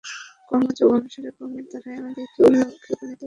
কর্মযোগ অনুসারে কর্মের দ্বারাই আমাদিগকে ঐ লক্ষ্যে উপনীত হইতে হইবে।